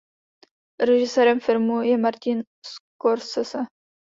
Režisérem filmu je Martin Scorsese.